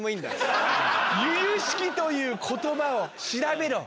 「由々しき」という言葉を調べろ。